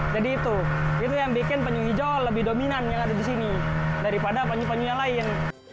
jadi itu yang bikin penyuh hijau lebih dominan yang ada di sini daripada penyuh penyuh yang lain